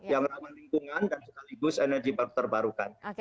yang ramah lingkungan dan sekaligus energi terbarukan